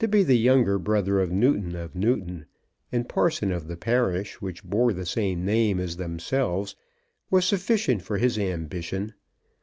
To be the younger brother of Newton of Newton, and parson of the parish which bore the same name as themselves, was sufficient for his ambition.